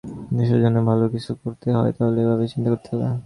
দেশের জন্য ভালো কিছু যদি করতে হয়, তাহলে এভাবেই চিন্তা করতে হবে।